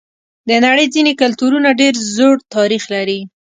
د نړۍ ځینې کلتورونه ډېر زوړ تاریخ لري.